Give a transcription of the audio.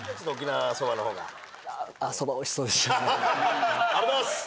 はははっありがとうございます。